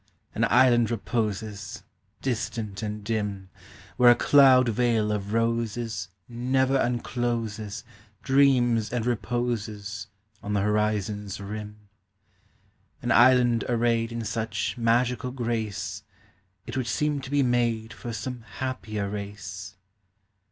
An island reposes, Distant and dim, Where a cloud veil of roses Never uncloses, Dreams and reposes On the horizonâs rim. An island arrayed In such magical grace, It would seem to be made For some happier race.